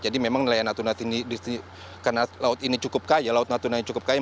jadi memang nelayan natuna di sini karena laut ini cukup kaya laut natuna ini cukup kaya